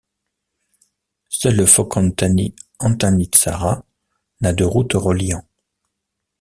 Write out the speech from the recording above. Seul le fokontany Antanitsara n'a de route reliant.